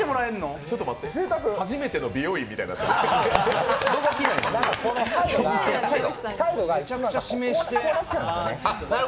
初めての美容院みたいになってる。